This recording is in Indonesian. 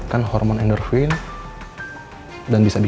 yang semudah prolapsasi